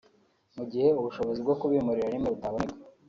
mu gihe ubushobozi bwo kubimurira rimwe butaboneka